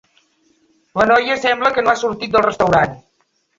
La noia sembla que no ha sortit del restaurant.